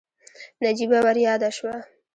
نجيبه ورياده شوه.